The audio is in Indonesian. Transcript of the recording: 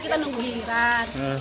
kita nunggu lingkaran